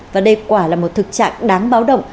và đây quả là một thực trạng đáng báo động